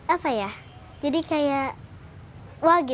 apa yang membuat anda tertarik